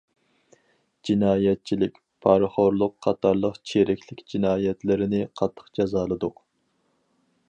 خىيانەتچىلىك، پارىخورلۇق قاتارلىق چىرىكلىك جىنايەتلىرىنى قاتتىق جازالىدۇق.